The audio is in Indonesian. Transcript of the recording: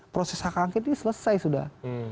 proses hak angket ini selesai sudah